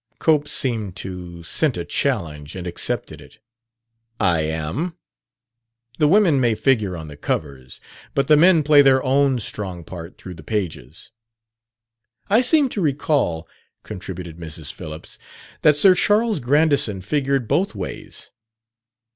Cope seemed to scent a challenge and accepted it. "I am. The women may figure on the covers, but the men play their own strong part through the pages." "I seem to recall," contributed Mrs. Phillips, "that Sir Charles Grandison figured both ways."